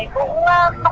mà cái mùi của nó nó không